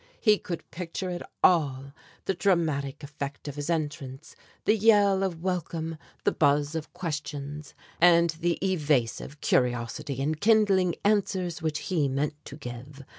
He could picture it all, the dramatic effect of his entrance, the yell of welcome, the buzz of questions, and the evasive, curiosity enkindling answers which he meant to give.